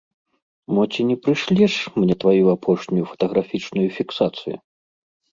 Мо ці не прышлеш мне тваю апошнюю фатаграфічную фіксацыю?